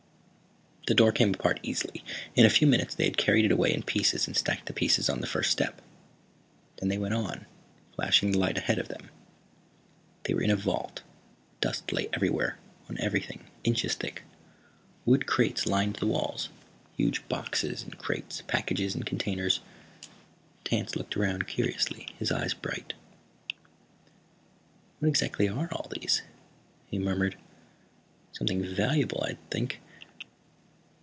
The door came apart easily. In a few minutes they had carried it away in pieces and stacked the pieces on the first step. Then they went on, flashing the light ahead of them. They were in a vault. Dust lay everywhere, on everything, inches thick. Wood crates lined the walls, huge boxes and crates, packages and containers. Tance looked around curiously, his eyes bright. "What exactly are all these?" he murmured. "Something valuable, I would think."